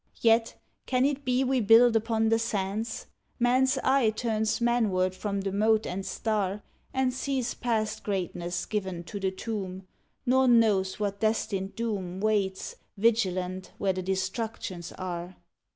Yet, can it be we build upon the sands? Man s eye turns manward from the mote and star, And sees past greatness given to the tomb, Nor knows what destined doom Waits, vigilant, where the Destructions are.